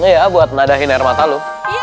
ya buat nadahin air mata lu